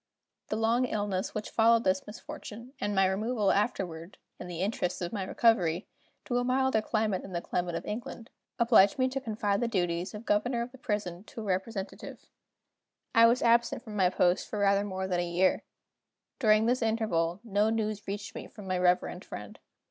The long illness which followed this misfortune, and my removal afterward (in the interests of my recovery) to a milder climate than the climate of England, obliged me to confide the duties of governor of the prison to a representative. I was absent from my post for rather more than a year. During this interval no news reached me from my reverend friend.